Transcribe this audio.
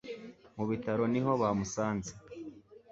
mu bitaro niho bamusanze